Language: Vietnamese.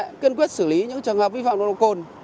kiên quyết xử lý những trường hợp vi phạm nồng độ cồn